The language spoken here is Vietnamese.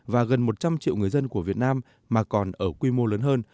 và gần một trăm linh triệu người dân của việt nam mà còn ở quy mô lớn hơn